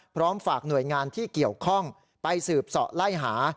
พร้อมฝากหน่วยงานที่เกี่ยวข้องไปสืบเสาะไล่หา